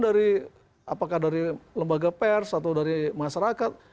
dari apakah dari lembaga pers atau dari masyarakat